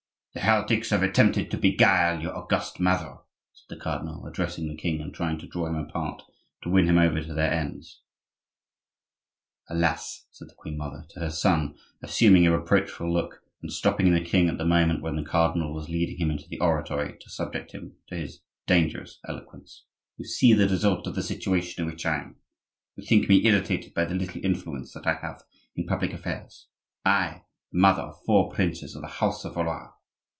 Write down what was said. "The heretics have attempted to beguile your august mother," said the cardinal, addressing the king, and trying to draw him apart to win him over to their ends. "Alas!" said the queen mother to her son, assuming a reproachful look and stopping the king at the moment when the cardinal was leading him into the oratory to subject him to his dangerous eloquence, "you see the result of the situation in which I am; they think me irritated by the little influence that I have in public affairs,—I, the mother of four princes of the house of Valois!"